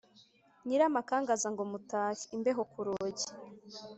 Nyiramakangaza ngo mutahe Imbeho ku rugi